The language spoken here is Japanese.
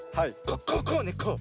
こうこうねこう。